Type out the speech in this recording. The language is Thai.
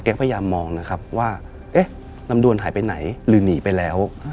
พยายามมองนะครับว่าเอ๊ะลำดวนหายไปไหนหรือหนีไปแล้ว